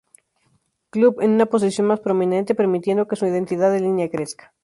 Club" en una posición más prominente, permitiendo que su identidad en línea crezca.